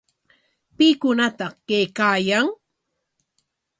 ¿Pikunataq kaykaayan?